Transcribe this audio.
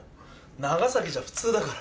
長崎じゃ普通だから。